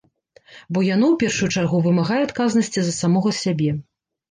Бо яно, у першую чаргу, вымагае адказнасці за самога сябе.